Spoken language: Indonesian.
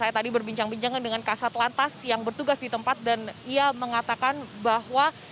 saya tadi berbincang bincang dengan kasat lantas yang bertugas di tempat dan ia mengatakan bahwa